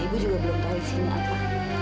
ibu juga belum tahu isinya apa